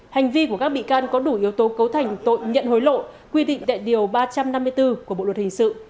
hành vi của các bị can có đủ yếu tố cấu thành tội nhận hối lộ quy định tại điều ba trăm năm mươi bốn của bộ luật hình sự